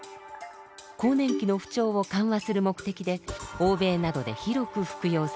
更年期の不調を緩和する目的で欧米などで広く服用されています。